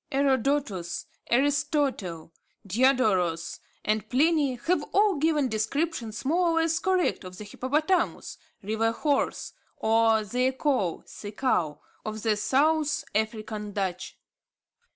Herodotus, Aristotle, Diodorus, and Pliny have all given descriptions more or less correct of the hippopotamus, river horse, or zeekoe (sea cow) of the South African Dutch.